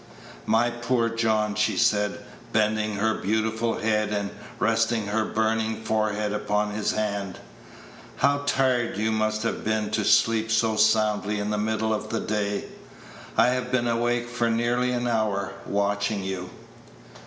"My poor John," she said, bending her beautiful head and resting her burning forehead upon his hand, "how tired you must have been to sleep so soundly in the middle of the day! I have been awake for nearly an hour, watching you."